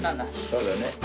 そうだね。